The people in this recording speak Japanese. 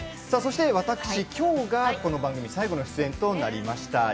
私、きょうがこの番組最後の出演となりました。